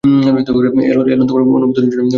Alan তোমার অনুমোদনের জন্য পাখিগুলি এনেছে।